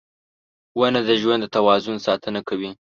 • ونه د ژوند د توازن ساتنه کوي.